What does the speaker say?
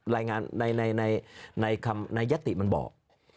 รายงานในยติมันบอก